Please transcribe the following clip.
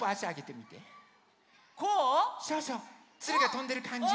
つるがとんでるかんじ。